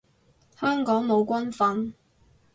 香港冇軍訓